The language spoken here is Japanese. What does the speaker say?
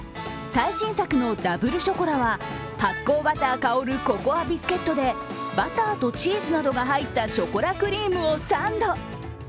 最新作のダブルショコラは発酵バター香るココアビスケットでバターとチーズなどが入ったショコラクリームをサンド。